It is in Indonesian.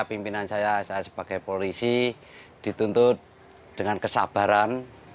pimpinan saya saya sebagai polisi dituntut dengan kesabaran